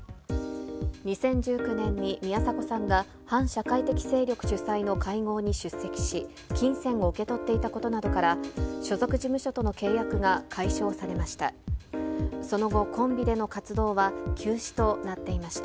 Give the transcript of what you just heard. ２０１９年に宮迫さんが反社会的勢力の会合に出席し、金銭を受け取っていたことなどから、所属事務所との契約が解消されました。